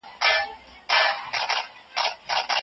خلک د سیاست قرباني کېږي.